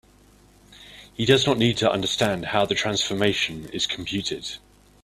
He does not need to understand how the transformation is computed.